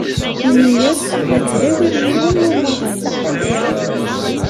Ini-as la ttdawiɣ yiwen n umuḍin.